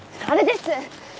あれです。